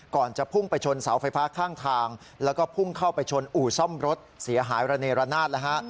จะพุ่งไปชนเสาไฟฟ้าข้างทางแล้วก็พุ่งเข้าไปชนอู่ซ่อมรถเสียหายระเนรนาศแล้วฮะ